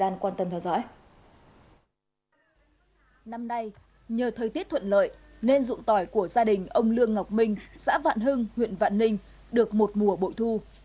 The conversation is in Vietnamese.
năm nay nhờ thời tiết thuận lợi nên dụng tỏi của gia đình ông lương ngọc minh xã vạn hưng huyện vạn ninh được một mùa bội thu